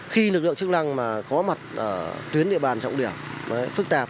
khi lực lượng chức năng mà có mặt ở tuyến địa bàn trọng điểm phức tạp